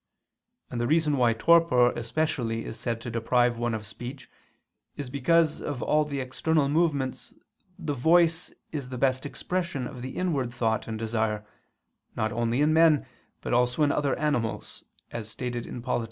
And the reason why torpor especially is said to deprive one of speech is because of all the external movements the voice is the best expression of the inward thought and desire, not only in men, but also in other animals, as is stated in _Polit.